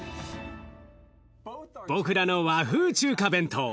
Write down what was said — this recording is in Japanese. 僕らの和風中華弁当。